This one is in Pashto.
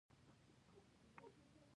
ایا زه باید خپل وزن زیات کړم؟